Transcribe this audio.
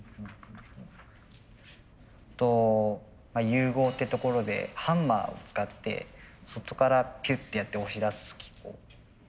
融合ってところでハンマーを使って外からピュッてやって押し出す機構。